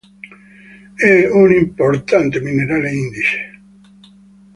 È un importante minerale indice.